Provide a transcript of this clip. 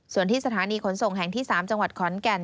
ส่วนที่สถานีขนส่งแห่งที่๓จังหวัดขอนแก่น